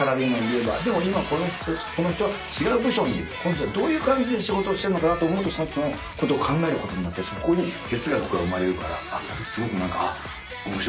でも今この人は違う部署にいるこの人はどういう感じで仕事をしてるのかなと思うとそのことを考えることになりそこに哲学が生まれるからすごく何か面白いな。